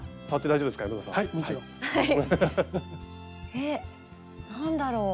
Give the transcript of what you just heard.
えっ何だろう？